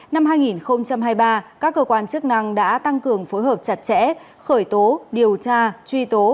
năm hai nghìn hai mươi ba các cơ quan chức năng đã tăng cường phối hợp chặt chẽ khởi tố điều tra truy tố